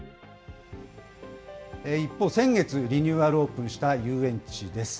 一方、先月、リニューアルオープンした遊園地です。